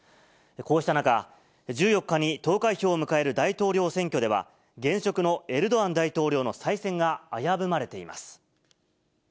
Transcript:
こうした中、１４日に投開票を迎える大統領選挙では、現職のエルドアン大統領の再選が危ぶまれています。